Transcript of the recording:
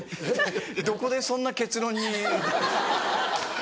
どこでそんな結論に？